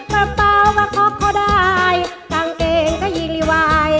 ประเป๋าว่าคอกเข้าได้ต่างเกงก็ยิงริวาย